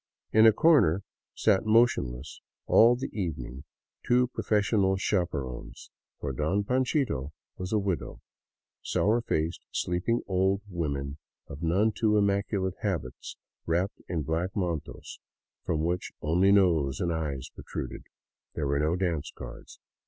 In a corner sat motionless all the evening two pro fessional chaperons — for " Don Panchito " was a widow — sour faced, sleepy looking old women of none too immaculate habits, wrapped in black mantos from which only nose and eyes protruded. There were no dance cards.